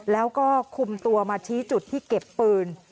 แล้วก็คุมตัวมาชี้จุดที่เก็บปืน